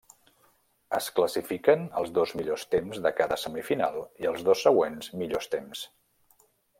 Es classifiquen els dos millors temps de cada semifinal i els dos següents millors temps.